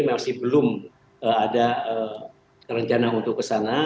mas bram ini masih belum ada rencana untuk ke sana